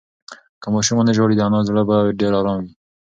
که ماشوم ونه ژاړي، د انا زړه به ډېر ارام وي.